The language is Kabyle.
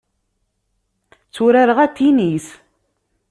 Tturareɣ atinis.